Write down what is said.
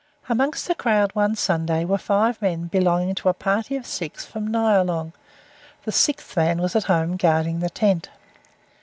Amongst the crowd one Sunday were five men belonging to a party of six from Nyalong; the sixth man was at home guarding the tent.